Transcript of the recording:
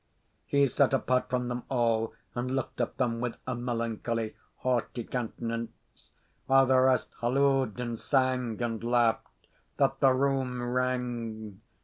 He sat apart from them all, and looked at them with a melancholy, haughty countenance; while the rest hallooed and sang and laughed, that the room rang.